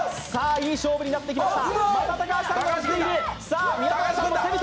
いい勝負になってきました。